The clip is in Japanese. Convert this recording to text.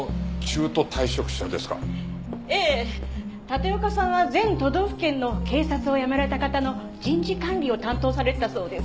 立岡さんは全都道府県の警察を辞められた方の人事管理を担当されていたそうですから。